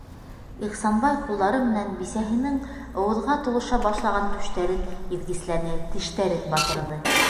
- Ихсанбай ҡулдары менән бисәһенең ыуыҙға тулыша башлаған түштәрен иҙгесләне, тештәрен батырҙы.